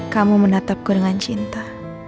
kamu menatapku dengan cinta